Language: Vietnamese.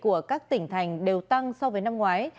của các tỉnh thành đều tăng so với năm ngoái